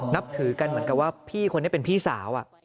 นับถือกันเหมือนกับว่าพี่คนนี้เป็นพี่สาว